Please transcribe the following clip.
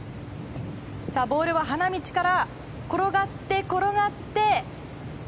ボールは花道から転がって、転がって。